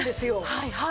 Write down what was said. はいはい。